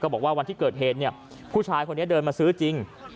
บอกว่าวันที่เกิดเหตุผู้ชายคนนี้เดินมาซื้อจริง